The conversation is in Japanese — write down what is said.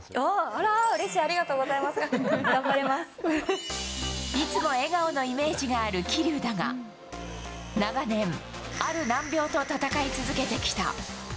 ありがといつも笑顔のイメージがある桐生だが、長年、ある難病と闘い続けてきた。